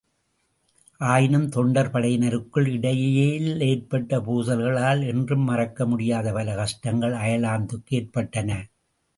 ஆயினும் தொண்டர்படையினருக்குள் இடையில் ஏற்பட்ட பூசல்களால் என்றும் மறக்கமுடியாத பல கஷ்டங்கள் அயர்லாந்துக்கு ஏற்பட்டன.